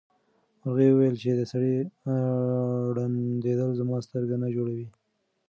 مرغۍ وویل چې د سړي ړندېدل زما سترګه نه جوړوي.